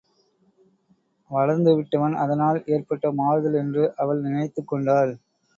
வளர்ந்து விட்டவன் அதனால் ஏற்பட்ட மாறுதல் என்று அவள் நினைத்துக் கொண்டாள்.